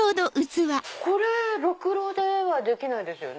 これろくろではできないですよね。